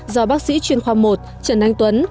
do bác sĩ chuyên khoa một trần anh tuấn